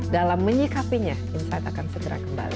dalam menyikapinya insight akan segera kembali